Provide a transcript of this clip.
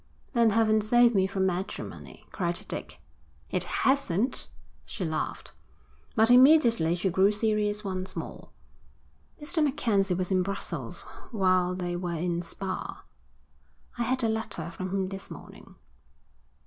'Then heaven save me from matrimony,' cried Dick. 'It hasn't,' she laughed. But immediately she grew serious once more. 'Mr. MacKenzie was in Brussels while they were in Spa.' 'I had a letter from him this morning.'